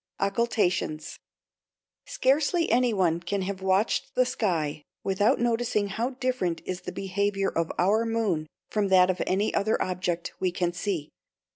OCCULTATIONS Scarcely anyone can have watched the sky without noticing how different is the behavior of our moon from that of any other object we can see.